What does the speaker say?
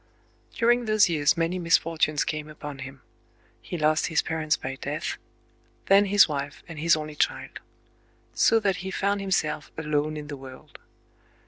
During those years many misfortunes came upon him. He lost his parents by death,—then his wife and his only child. So that he found himself alone in the world.